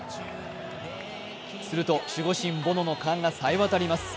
すると、守護神ボノの勘がさえ渡ります。